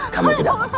kamu tidak apa apa lagi